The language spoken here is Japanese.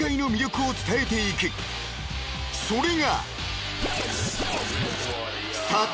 ［それが］